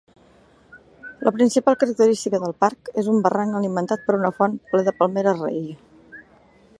La principal característica del parc és un barranc alimentat per una font ple de palmeres rei.